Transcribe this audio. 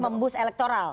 untuk membus elektoral